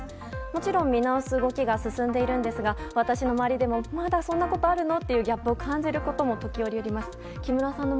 もちろん見直す動きが進んでいますが私の周りでもまだそんなことあるのというギャップを感じることも時折、あります。